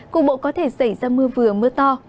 cục bộ có thể xảy ra mưa vừa mưa to